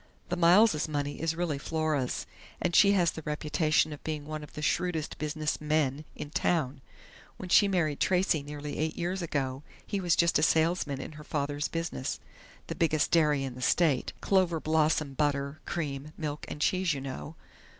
"The Miles' money is really Flora's, and she has the reputation of being one of the shrewdest business 'men' in town. When she married Tracey nearly eight years ago, he was just a salesman in her father's business the biggest dairy in the state ... 'Cloverblossom' butter, cream, milk and cheese, you know....